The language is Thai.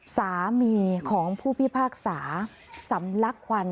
สามีของผู้พิพากษาสำลักควัน